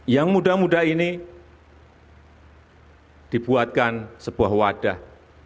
yang muda muda ini dibuatkan sebuah wadah